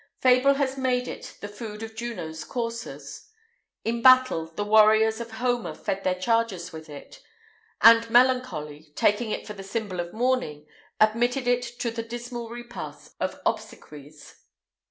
Fable has made it the food of Juno's coursers.[IX 198] In battle, the warriors of Homer fed their chargers with it;[IX 199] and Melancholy, taking it for the symbol of mourning, admitted it at the dismal repasts of obsequies.